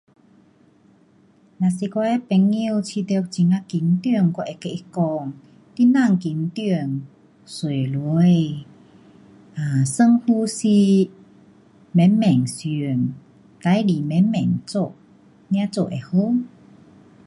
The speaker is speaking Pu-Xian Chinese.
若是我的朋友觉得很呀紧致，我会对他讲，你别紧张，坐下，um 深呼吸，慢慢想，事情慢慢做，才做会好。